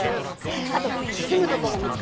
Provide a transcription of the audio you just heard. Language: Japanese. あと住むとこも見つかったの。